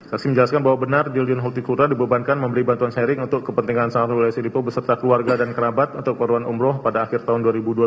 saya ingin menjelaskan bahwa benar dildin hulti kura dibebankan memberi bantuan sharing untuk kepentingan sang dulu yasi lipo beserta keluarga dan kerabat untuk keperluan umroh pada akhir tahun dua ribu dua puluh dua